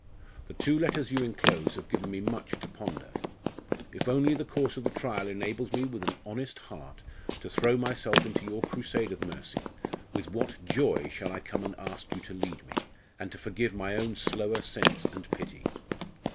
The two letters you enclose have given me much to ponder. If only the course of the trial enables me with an honest heart to throw myself into your crusade of mercy, with what joy shall I come and ask you to lead me, and to forgive my own slower sense and pity!